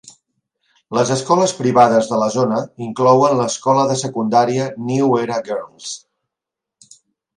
Les escoles privades de la zona inclouen l'escola de secundària New Era Girls.